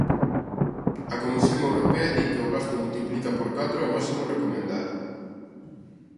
A Comisión Europea di que o gasto multiplica por catro o máximo recomendado.